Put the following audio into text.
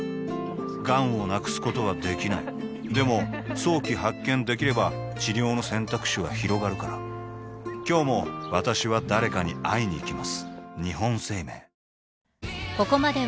がんを無くすことはできないでも早期発見できれば治療の選択肢はひろがるから今日も私は誰かに会いにいきます